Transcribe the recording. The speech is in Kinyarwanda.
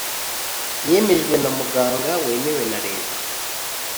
yemejwe na muganga wemewe na Leta